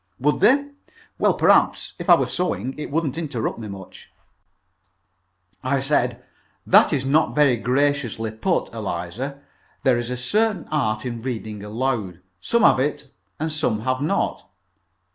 "Would they? Well perhaps if I were only sewing it wouldn't interrupt me much." I said, "That is not very graciously put, Eliza. There is a certain art in reading aloud. Some have it, and some have not.